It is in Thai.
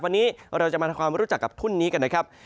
วันนี้เราจะมาทำความรู้จักกับทุ่นนี้กันนะครับ